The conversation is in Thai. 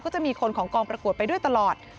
จะมีคนของกองประกวดไปด้วยตลอด